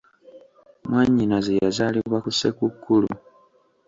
Mwannyinaze yazaalibwa ku Ssekukkulu.